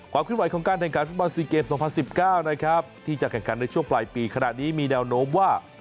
ความคิดไหวของการแทนการฟุตบอลซีเกมส์๒๐๑๙ที่จะแข่งกันในช่วงปลายปีขนาดนี้มีแนวโน้มว่า